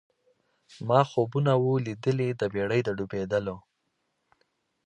ما خوبونه وه لیدلي د بېړۍ د ډوبېدلو